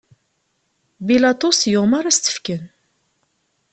Bilaṭus yumeṛ ad s-tt-fken.